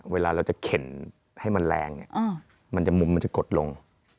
เวลาเราจะเข็นให้มันแรงเนี่ยมันจะมุมมันจะกดลง